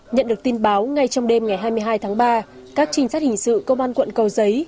nhận được tin báo ngay trong đêm ngày hai mươi hai tháng ba các trinh sát hình sự công an quận cầu giấy